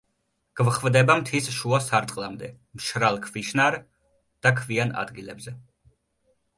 გვხვდება მთის შუა სარტყლამდე მშრალ ქვიშნარ და ქვიან ადგილებზე.